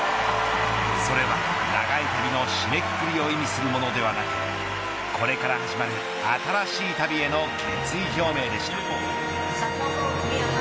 それは長い旅の締めくくりを意味するものではなくこれから始まる新しい旅への決意表明でした。